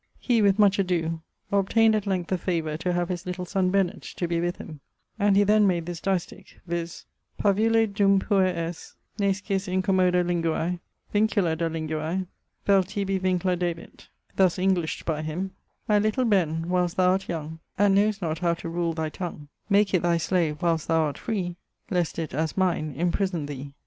He, with much adoe, obtained at length the favour to have his little son Bennet to be with him; and he then made this distich, viz.: Parvule dum puer es, nee scis incommoda linguae, Vincula da linguae, vel tibi vincla dabit. Thus Englished by him: My little Ben, whil'st thou art young, And know'st not how to rule thy tongue, Make it thy slave whil'st thou art free, Least it, as mine, imprison thee.